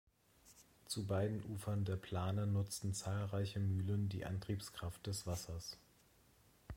Zu beiden Ufern der Plane nutzten zahlreiche Mühlen die Antriebskraft des Wassers.